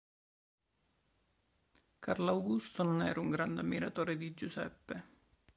Carlo Augusto non era un grande ammiratore di Giuseppe.